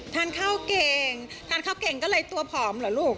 ทานข้าวเก่งทานข้าวเก่งก็เลยตัวผอมเหรอลูก